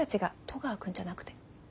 戸川君じゃなくて。